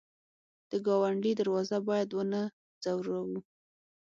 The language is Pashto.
د ګاونډي دروازه باید ونه ځوروو